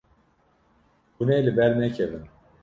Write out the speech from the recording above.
Hûn ê li ber nekevin.